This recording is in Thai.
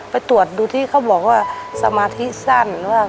ไปตรวจดูที่เขาบอกว่าสมาธิสั้นว่า